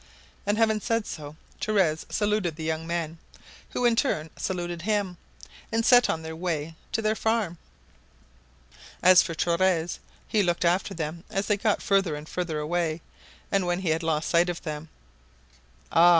And having said so, Torres saluted the young men, who in turn saluted him, and set out on their way to the farm. As for Torres he looked after them as they got further and further away, and when he had lost sight of them "Ah!